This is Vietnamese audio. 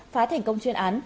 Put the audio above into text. phá thành công chuyên án